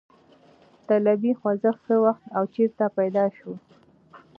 طالبي خوځښت څه وخت او چېرته پیدا شو؟